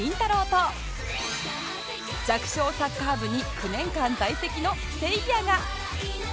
と弱小サッカー部に９年間在籍のせいやが